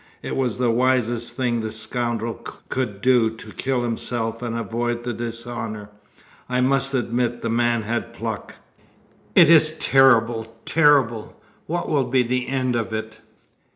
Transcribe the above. It was the wisest thing the scoundrel could do to kill himself and avoid dishonour. I must admit the man had pluck." "It is terrible! terrible! What will be the end of it?"